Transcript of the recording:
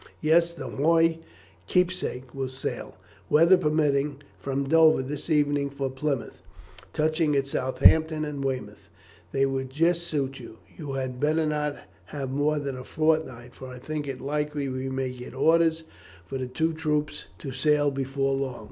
"Yes, the hoy Keepsake will sail, weather permitting, from Dover this evening for Plymouth, touching at Southampton and Weymouth. That would just suit you. You had better not have more than a fortnight, for I think it likely we may get orders for the two troops to sail before long.